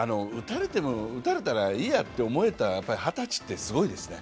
打たれたらいいやって思えた二十歳ってすごいですね。